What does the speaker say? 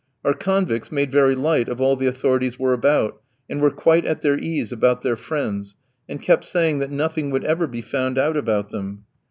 Our convicts made very light of all the authorities were about, and were quite at their ease about their friends, and kept saying that nothing would ever be found out about them.